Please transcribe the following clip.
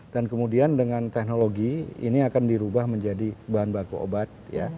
dan kemudian dengan teknologi ini akan dirubah menjadi bahan baku obat